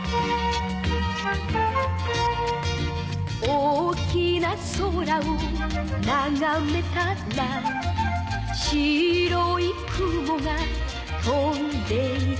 「大きな空をながめたら」「白い雲が飛んでいた」